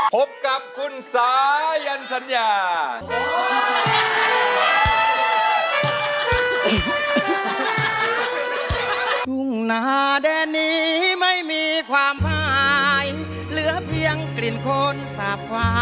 พบกับคุณสายันสัญญา